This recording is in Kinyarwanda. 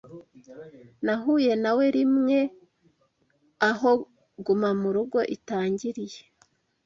Nahuye nawe rimwe aho gumamurugo itangiriye